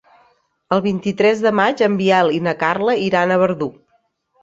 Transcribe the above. El vint-i-tres de maig en Biel i na Carla iran a Verdú.